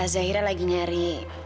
jairah lagi nyari